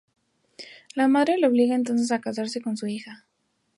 La madre le obliga entonces a casarse con su hija.